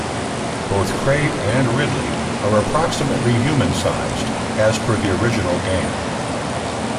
Both Kraid and Ridley are approximately human-sized, as per the original game.